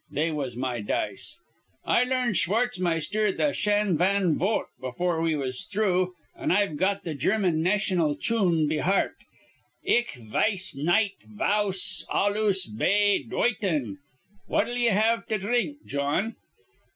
They was my dice. "I learned Schwartzmeister th' Shan van Voght before we was through; an' I've got th' German naytional chune be heart, 'Ich vice nit wauss allus bay doitan'. What'll ye have to drink, Jawn?"